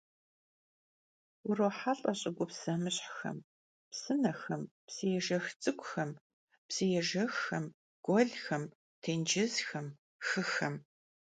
Vurohelh'e ş'ıgups zemışhxem: psınexem, psıêjjex ts'ık'uxem, psıêjjexxem, guelxem, têncızxem, xıxem.